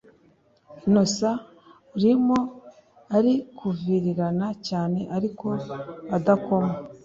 innocent urimo ari kuvirirana cyane ariko adakoma